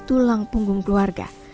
tulang punggung keluarga